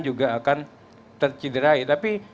juga akan tercederai tapi